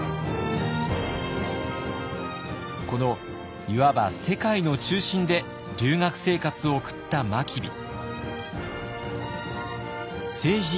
このいわば世界の中心で留学生活を送った真備。